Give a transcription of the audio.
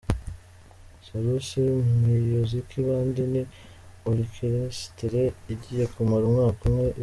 Salusi miyuziki Bandi ni Orikeresitere igiye kumara umwaka umwe ibayeho.